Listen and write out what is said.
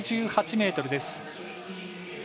１１８ｍです。